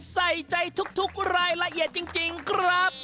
ใส่ใจทุกรายละเอียดจริงครับ